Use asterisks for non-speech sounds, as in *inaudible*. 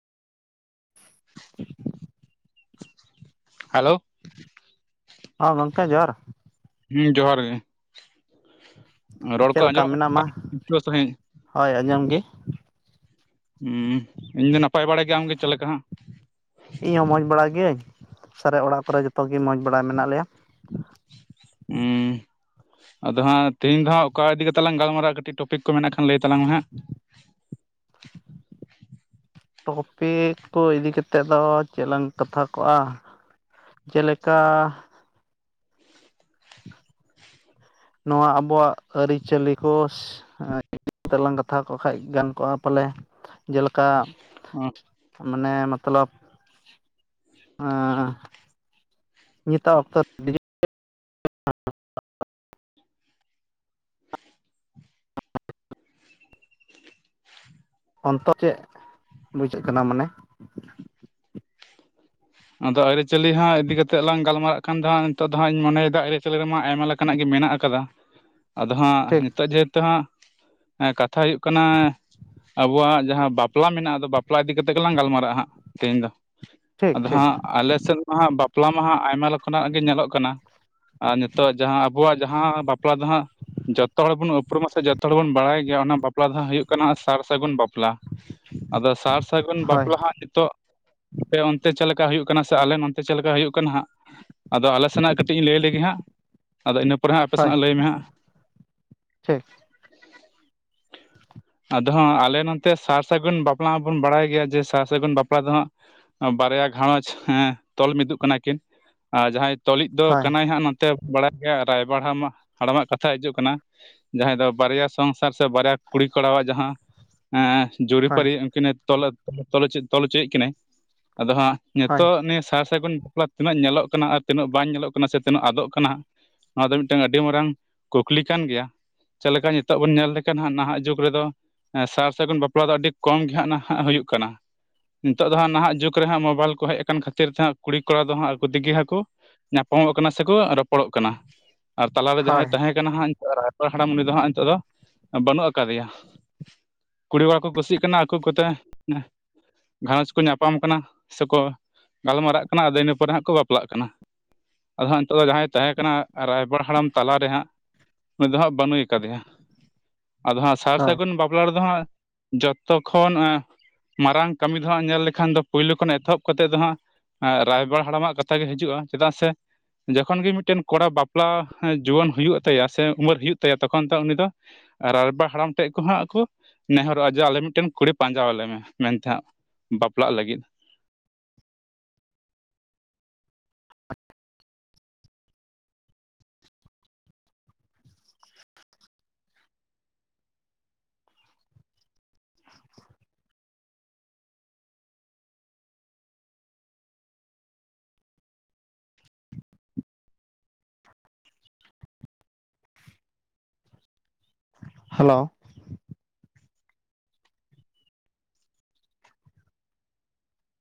Hello ᱦᱚᱸ ᱜᱚᱝᱠᱮ ᱡᱚᱦᱟᱨ ᱦᱩᱸ ᱡᱚᱦᱟᱨ ᱜᱮᱸ ᱪᱮᱫ ᱞᱮᱠᱟ ᱟᱸᱡᱚᱢᱚᱜ ᱢᱮᱱᱟᱢᱟ ᱠᱟᱱᱟ ᱥᱟᱺᱦᱤᱡ ᱦᱳᱭ ᱟᱸᱡᱚᱢ ᱜᱮᱸ ᱦᱩᱸ ᱤᱧ ᱫᱚ ᱱᱟᱯᱟᱭ ᱵᱟᱲᱟ ᱜᱮ ᱾ ᱟᱢᱜᱮ ᱪᱮᱫᱮ ᱞᱮᱠᱟ ᱦᱟᱸᱜ? ᱤᱧ ᱦᱚᱸ ᱢᱚᱡᱽ ᱵᱟᱲ ᱜᱤᱭᱟᱹᱧ ᱥᱟᱨᱮ ᱚᱲᱟᱜ ᱠᱚᱨᱮ ᱡᱚᱛᱚ ᱜᱮ ᱢᱚᱸᱡᱽ ᱵᱟᱲ ᱢᱮᱱᱟᱜ ᱞᱮᱭᱟ᱾ ᱦᱩ ᱟᱫᱚ ᱦᱟᱸᱜ ᱛᱮᱦᱤᱧ ᱫᱚ ᱦᱟᱸᱜ ᱚᱠᱟ ᱤᱫᱤ ᱠᱟᱛᱮ ᱞᱟᱝ ᱜᱟᱞᱢᱟᱨᱟᱜ-ᱟ ᱠᱟᱹᱴᱤᱡ ᱴᱚᱯᱤᱠ ᱠᱚ ᱢᱮᱱᱟᱜ ᱠᱷᱟᱱ ᱞᱟᱹᱭ ᱛᱟᱞᱟᱝ ᱢᱮ ᱦᱟᱸᱜ? *unintelligible* ᱴᱚᱯᱤᱠ ᱠᱚ ᱤᱫᱤ ᱠᱟᱛᱮᱫ ᱫᱚ ᱪᱮᱫ ᱞᱟᱝ ᱠᱟᱛᱷᱟ ᱠᱚᱜ-ᱟ᱾ ᱪᱮᱞᱮᱠᱟ *unintelligible* ᱱᱚᱣᱟ ᱟᱵᱚᱣᱟᱜ ᱟᱹᱨᱤ-ᱪᱟᱹᱞᱤ ᱠᱚ᱾ ᱛᱮᱞᱟᱝ ᱜᱟᱛᱷᱟᱣ ᱠᱚᱜ ᱠᱷᱟᱡ ᱜᱟᱱ ᱠᱚᱜ-ᱟ ᱯᱟᱞᱮ ᱡᱮᱞᱮᱠᱟ᱾ ᱚᱸ ᱢᱟᱱᱮ ᱢᱚᱛᱞᱚᱵ ᱚᱸᱱᱤᱛᱚᱜ ᱚᱠᱛᱚ ᱰᱤᱥᱦᱩᱢ *unintelligible* ᱚᱱᱛᱚ ᱪᱮᱫ ᱵᱩᱡᱷᱟᱹᱜ ᱠᱟᱱᱟ ᱢᱟᱱᱮ? ᱟᱫᱚ ᱟᱹᱨᱤ-ᱪᱟᱹᱞᱤ ᱦᱚᱸ ᱤᱫᱤ ᱠᱟᱛᱮᱜ ᱞᱟᱝ ᱜᱟᱞᱢᱟᱨᱟᱜ ᱠᱷᱟᱱ ᱫᱚᱜ ᱱᱤᱛᱚᱜ ᱫᱚ ᱦᱟᱸᱜ ᱤᱧ ᱢᱚᱱᱮᱭᱮᱫᱟ ᱟᱹᱨᱤ-ᱪᱟᱹᱞᱤ ᱨᱮᱢᱟ ᱟᱭᱢᱟ ᱞᱮᱠᱟ᱾ ᱚᱱᱠᱟ ᱱᱟᱜ ᱜᱮ ᱢᱮᱱᱟᱜ ᱟᱠᱟᱫᱟ ᱟᱫᱚ ᱦᱟᱸᱜ ᱴᱷᱤᱠ ᱱᱤᱛᱚᱜ ᱡᱮᱦᱮᱛᱩ ᱦᱟᱸᱜ᱾ ᱮ ᱠᱟᱛᱷᱟ ᱦᱩᱭᱩᱜ ᱠᱟᱱᱟ ᱟᱵᱚᱣᱟᱜ ᱡᱟᱦᱟᱸ ᱵᱟᱯᱞᱟ ᱢᱮᱱᱟᱜ-ᱟ ᱟᱫᱚ ᱵᱟᱯᱞᱟ ᱤᱫᱤ ᱠᱟᱛᱮ ᱜᱮᱞᱟᱝ ᱜᱟᱞᱢᱟᱨᱟᱜ-ᱟ ᱦᱟᱸᱜ ᱛᱮᱦᱮᱧ ᱫᱚ᱾ ᱴᱷᱤᱠ ᱟᱫᱚ ᱴᱷᱤᱠ ᱦᱟᱸᱜ ᱟᱞᱮᱥᱮᱫ ᱢᱟᱦᱟᱜ ᱵᱟᱯᱞᱟ ᱢᱟᱦᱟᱸᱜ ᱟᱭᱢᱟ ᱞᱮᱠᱟᱱᱟᱜ ᱜᱮ ᱧᱮᱞᱚᱜ ᱠᱟᱱᱟ ᱟᱨ ᱱᱤᱛᱚᱜ ᱡᱟᱦᱟᱸ ᱟᱵᱚᱣᱟᱜ ᱡᱟᱦᱟᱸ ᱵᱟᱯᱞᱟ ᱫᱚ ᱦᱟᱸᱜ ᱡᱷᱚᱛᱚ ᱦᱚᱲ ᱵᱚᱱ ᱩᱯᱨᱩᱢᱟ ᱥᱮ ᱡᱚᱛᱚ ᱦᱚᱲ ᱵᱚᱱ ᱵᱟᱲᱟᱭ ᱜᱮᱭᱟ ᱚᱱᱟ ᱵᱟᱯᱞᱟ ᱫᱚ ᱦᱩᱭᱩᱜ ᱠᱟᱱᱟ ᱥᱟᱨ-ᱥᱟᱹᱜᱩᱱ ᱵᱟᱯᱞᱟ᱾ ᱟᱫᱚ ᱥᱟᱨ-ᱥᱟᱹᱜᱩᱱ ᱦᱳᱭ ᱵᱟᱯᱞᱟ ᱦᱟᱸᱜ ᱱᱤᱛᱳᱜ ᱟᱯᱮ ᱚᱱᱛᱮ ᱚᱱᱛᱮᱨᱮ ᱪᱮᱫ ᱞᱮᱠᱟ ᱦᱩᱭᱩᱜ ᱠᱟᱱᱟ ᱥᱮ ᱟᱞᱮ ᱱᱚᱱᱛᱮ ᱪᱮᱫ ᱞᱮᱠᱟ ᱦᱩᱭᱩᱜ ᱠᱟᱱᱟ ᱦᱟᱸᱜ᱾ ᱟᱫᱚ ᱟᱞᱮ ᱥᱮᱱᱟᱜ ᱠᱟᱹᱴᱤᱡ ᱤᱧ ᱞᱟᱹᱭ ᱞᱮᱜᱮ ᱦᱟᱸᱜ ᱟᱫᱚ ᱤᱱᱟᱹ ᱯᱚᱨᱮ ᱦᱟᱸᱜ ᱟᱯᱮ ᱦᱳᱭ ᱥᱮᱱᱟᱜ ᱞᱟᱹᱭ ᱢᱮ ᱦᱟᱸᱜ ᱴᱷᱤᱠ ᱟᱫᱚ ᱟᱞᱮ ᱱᱚᱛᱮ ᱥᱟᱨ-ᱥᱟᱹᱜᱩᱱ ᱵᱟᱯᱞᱟ ᱦᱚᱸᱵᱚᱱ ᱵᱟᱲᱟᱭ ᱜᱮᱭᱟ ᱡᱮ ᱥᱟᱨ-ᱥᱟᱹᱜᱩᱱ ᱵᱟᱯᱞᱟ ᱫᱚ ᱦᱟᱸᱜ᱾ ᱵᱟᱨᱭᱟ ᱜᱷᱟᱨᱚᱸᱧᱡᱽ ᱦᱮ ᱛᱚᱞ ᱢᱤᱫᱚᱜ ᱠᱟᱱᱟ ᱠᱤᱱ ᱟᱨ ᱡᱟᱦᱟᱸᱭ ᱛᱚᱞᱤᱡ ᱫᱚ ᱦᱳᱭ ᱠᱟᱱᱟᱭ ᱦᱟᱸᱜ ᱛᱮ ᱵᱟᱲᱟᱭ ᱜᱮᱭᱟ ᱨᱟᱭᱵᱟᱲ ᱦᱟᱲᱟᱢᱟᱜ ᱠᱟᱛᱷᱟ ᱦᱤᱡᱩᱜ ᱠᱟᱱᱟ ᱡᱟᱦᱟᱸᱭ ᱫᱚ ᱵᱟᱨᱭᱟ ᱥᱚᱝᱥᱟᱨ ᱥᱮ ᱵᱟᱨᱭᱟ ᱠᱩᱲᱤ ᱠᱚᱲᱟ ᱟᱜ ᱡᱟᱦᱟᱸ ᱮᱸ ᱦᱳᱭ ᱡᱩᱨᱤ-ᱯᱟᱨᱤ ᱱᱩᱠᱤᱱ ᱛᱚᱞ ᱛᱚᱞ ᱦᱚᱪᱚ ᱛᱚᱞ ᱦᱚᱪᱚᱭᱮᱫ ᱠᱤᱱᱟᱹᱭ ᱟᱫᱚ ᱦᱟᱸᱜ ᱦᱳᱭ ᱱᱤᱛᱚᱜ ᱱᱤᱭᱟᱹ ᱥᱟᱨ ᱥᱟᱹᱜᱩᱱ ᱵᱟᱯᱞᱟ ᱛᱤᱱᱟᱹᱜ ᱧᱮᱞᱚᱜ ᱠᱟᱱᱟ ᱟᱨ ᱛᱤᱱᱟᱹᱜ ᱵᱟᱝ ᱧᱮᱞᱚᱜ ᱠᱟᱱᱟ ᱥᱮ ᱛᱤᱱᱟᱹᱜ ᱟᱫᱚᱜ ᱠᱟᱱᱟ᱾ ᱱᱚᱣᱟ ᱫᱚ ᱢᱤᱫᱴᱟᱝ ᱟᱹᱰᱤ ᱢᱟᱨᱟᱝ ᱠᱩᱠᱞᱤ ᱠᱟᱱ ᱜᱮᱭᱟ ᱪᱮᱫ ᱞᱮᱠᱟ ᱱᱤᱛᱚᱜ ᱵᱚᱱ ᱧᱮᱞ ᱞᱮᱠᱷᱟᱱ ᱦᱟᱸᱜ ᱱᱟᱦᱟᱜ ᱡᱩᱜᱽ ᱠᱚᱨᱮ ᱫᱚ ᱥᱟᱨ ᱥᱟᱹᱜᱩᱱ ᱵᱟᱯᱞᱟ ᱫᱚ ᱟᱹᱰᱤ ᱠᱚᱢ ᱜᱮ ᱦᱟᱸᱜ ᱱᱟᱦᱟᱸᱜ ᱦᱩᱭᱩᱜ ᱠᱟᱱᱟ᱾ ᱱᱤᱛᱚᱜ ᱫᱚ ᱦᱟᱸ ᱱᱟᱦᱟᱸᱜ ᱡᱩᱜᱽ ᱨᱮᱦᱟᱸᱜ ᱢᱳᱵᱟᱭᱤᱞ ᱠᱚ ᱦᱮᱡ ᱟᱠᱟᱱ ᱠᱷᱟᱹᱛᱤᱨ ᱛᱮᱦᱚᱸ ᱠᱩᱲᱤ ᱠᱚᱲᱟ ᱫᱚ ᱦᱟᱸᱜ ᱟᱠᱚ ᱛᱮᱜᱮ ᱦᱟᱸᱜ ᱠᱚ ᱧᱟᱯᱟᱢᱚᱜ ᱠᱟᱱᱟ ᱥᱮᱠᱚ ᱨᱚᱯᱚᱲᱚᱜ ᱠᱟᱱᱟ᱾ ᱟᱨ ᱛᱟᱞᱟᱨᱮ ᱡᱟᱦᱟᱸᱭ ᱦᱳᱭ ᱛᱟᱦᱮᱸ ᱠᱟᱱᱟᱭ ᱦᱟᱸᱜ ᱨᱟᱭᱵᱟᱨ ᱦᱟᱲᱟᱢ ᱩᱱᱤ ᱫᱚ ᱦᱟᱸᱜ ᱱᱤᱛᱚᱜ ᱫᱚ ᱵᱟᱹᱱᱩᱜ ᱟᱠᱟᱫᱮᱭᱟ᱾ ᱠᱩᱲᱤ ᱠᱚᱲᱟ ᱠᱚ ᱠᱩᱥᱤᱜ ᱠᱟᱱᱟ ᱟᱠᱚ ᱠᱚᱛᱮ ᱜᱷᱟᱨᱚᱸᱡᱽ ᱠᱚ ᱧᱟᱯᱟᱢ ᱠᱟᱱᱟ ᱥᱮᱠᱚ ᱜᱟᱞᱢᱟᱨᱟᱜ ᱠᱟᱱᱟ ᱟᱫᱚ ᱤᱱᱟᱹ ᱯᱚᱨᱮ ᱦᱟᱸᱜ ᱠᱚ ᱵᱟᱯᱞᱟᱜ ᱠᱟᱱᱟ᱾ ᱟᱫᱚ ᱦᱟᱸᱜ ᱱᱤᱛᱚᱜ ᱫᱚ ᱡᱟᱦᱟᱸᱭ ᱛᱟᱦᱮᱸ ᱠᱟᱱᱟ ᱨᱟᱭᱵᱟᱨ ᱦᱟᱲᱟᱢ ᱛᱟᱞᱟᱨᱮ ᱦᱟᱸᱜ᱾ ᱩᱱᱤ ᱫᱚ ᱦᱟᱸᱜ ᱵᱟᱹᱱᱩᱭ ᱟᱠᱟᱫᱮᱭᱟ ᱟᱫᱚ ᱦᱟᱸᱜ ᱥᱟᱨ ᱦᱳᱭ ᱥᱟᱹᱜᱩᱱ ᱵᱟᱯᱞᱟ ᱨᱮᱫᱚ ᱦᱟᱸᱜ ᱡᱚᱛᱚ ᱠᱷᱚᱱ ᱱᱚᱣᱟ ᱢᱟᱨᱟᱝ ᱠᱟᱹᱢᱤ ᱫᱚ ᱦᱟᱸᱜ ᱧᱮᱞ ᱞᱮᱠᱷᱟᱱ ᱫᱚ ᱯᱳᱭᱞᱳ ᱠᱷᱚᱱ ᱮᱛᱚᱦᱚᱵ ᱠᱟᱛᱮᱜ ᱫᱚ ᱦᱟᱸᱜ ᱨᱟᱭᱵᱟᱨ ᱦᱟᱲᱟᱢᱟᱜ ᱠᱟᱛᱷᱟ ᱜᱮ ᱦᱤᱡᱩᱜᱼᱟ ᱪᱮᱫᱟᱜ ᱥᱮ ᱡᱚᱠᱷᱚᱱ ᱜᱮ ᱢᱤᱫᱴᱮᱱ ᱠᱚᱲᱟ ᱵᱟᱯᱞᱟ ᱡᱩᱣᱟᱹᱱ ᱦᱩᱭᱩᱜ ᱛᱟᱭᱟ ᱥᱮ ᱩᱢᱟᱹᱨ ᱦᱩᱭᱩᱜ ᱛᱟᱭᱟ ᱛᱚᱠᱷᱚᱱ ᱫᱚ ᱩᱱᱤ ᱫᱚ ᱨᱟᱭᱵᱟ ᱦᱟᱲᱟᱢ ᱴᱷᱮᱡ ᱠᱚᱦᱟᱸᱜ ᱠᱚ ᱱᱮᱦᱚᱨᱚᱜᱼᱟ ᱡᱮ ᱟᱞᱮ ᱢᱤᱫᱴᱮᱱ ᱠᱩᱲᱤ ᱯᱟᱸᱡᱟ ᱟᱞᱮ ᱢᱮ ᱢᱮᱱᱛᱮ ᱦᱟᱸᱜ ᱵᱟᱯᱞᱟᱜ ᱞᱟᱹᱜᱤᱫ *inaudible* ᱦᱮᱞᱳ